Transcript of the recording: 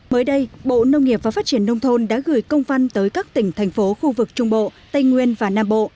mới đây bộ nông nghiệp và phát triển nông thôn đã gửi công văn tới các tỉnh thành phố khu vực trung bộ tây nguyên và nam bộ